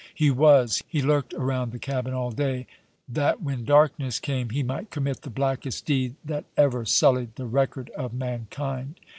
"He was. He lurked around the cabin all day, that when darkness came he might commit the blackest deed that ever sullied the record of mankind!"